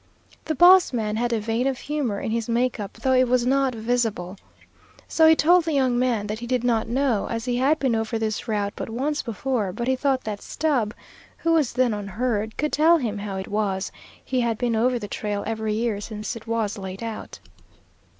The boss man had a vein of humor in his make up, though it was not visible; so he told the young man that he did not know, as he had been over this route but once before, but he thought that Stubb, who was then on herd, could tell him how it was; he had been over the trail every year since it was laid out.